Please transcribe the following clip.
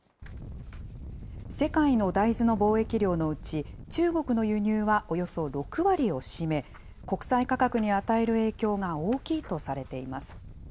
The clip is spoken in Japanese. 世界の大豆の貿易量のうち、中国の輸入はおよそ６割を占め、国際価格に与える影響が大きいとされています。